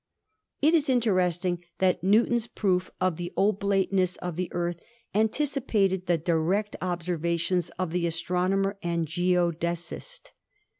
It is interesting that Newton's proof of the oblateness of the Earth anticipated the direct observations of the astronomer and geodesist.